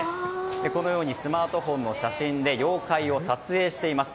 このようにスマートフォンの写真で妖怪を撮影しています。